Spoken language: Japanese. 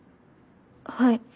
はい。